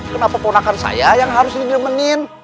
kenapa ponakan saya yang harus di nemenin